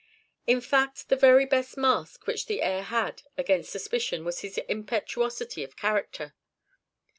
In fact, the very best mask which the heir had against suspicion was his impetuosity of character.